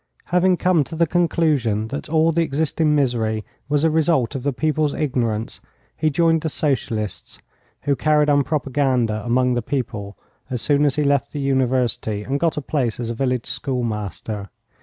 Having come to the conclusion that all the existing misery was a result of the people's ignorance, he joined the socialists, who carried on propaganda among the people, as soon as he left the university and got a place as a village schoolmaster.